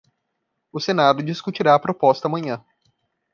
O senado discutirá a proposta amanhã